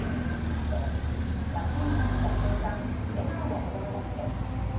さて、待ちに待った瞬間、笑顔の子どもたちです。